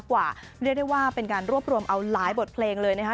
เรียกได้ว่าเป็นการรวบรวมเอาหลายบทเพลงเลยนะคะ